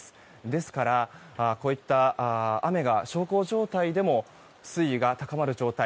ですから、こういった、雨が小康状態でも、水位が高まる状態